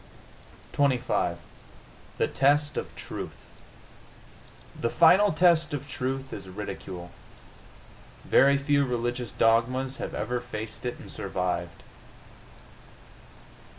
XXV THE TEST OF TRUTH The final test of truth is ridicule. Very few religious dogmas have ever faced it and survived.